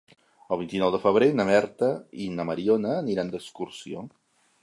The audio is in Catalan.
El vint-i-nou de febrer na Berta i na Mariona aniran d'excursió.